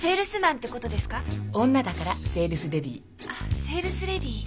あセールスレディー。